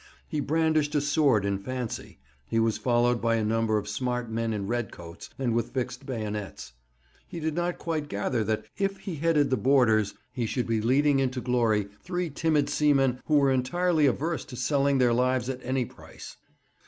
He brandished a sword in fancy; he was followed by a number of smart men in red coats, and with fixed bayonets. He did not quite gather that, if he headed the boarders, he should be leading into glory three timid seamen who were entirely averse to selling their lives at any price.